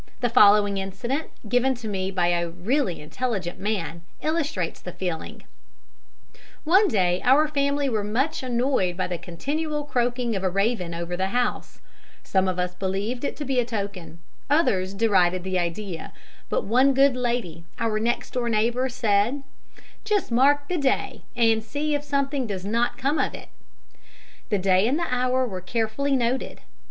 The following incident, given to me by a really intelligent man, illustrates the feeling: "'One day our family were much annoyed by the continual croaking of a raven over the house. Some of us believed it to be a token; others derided the idea. But one good lady, our next door neighbour, said: "'"Just mark the day, and see if something does not come of it." "'The day and hour were carefully noted.